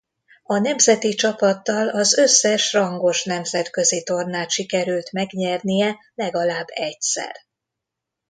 A nemzeti csapattal az összes rangos nemzetközi-tornát sikerült megnyernie legalább egyszer.